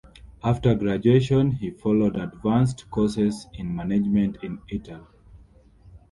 After graduation, he followed advanced courses in management in Italy.